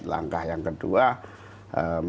langkah yang kedua melaporkan kepada ijtima ulama